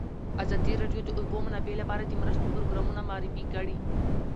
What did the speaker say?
ازادي راډیو د د اوبو منابع لپاره د مرستو پروګرامونه معرفي کړي.